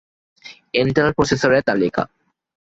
Intel processor এর তালিকা